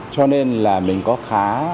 cho nên là mình có khá